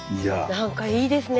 何かいいですね